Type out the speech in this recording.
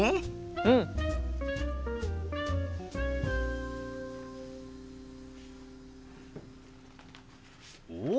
うん！おっ！